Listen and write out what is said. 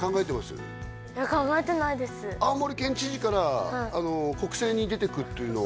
青森県知事から国政に出ていくというのは？